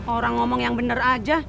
orang ngomong yang benar aja